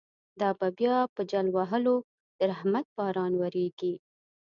دابه بیا په جل وهلو، درحمت باران وریږی